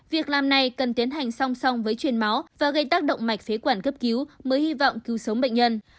việc làm này cần tiến hành song song với truyền máu và gây tác động mạch phế quản cấp cứu mới hy vọng cứu sống bệnh nhân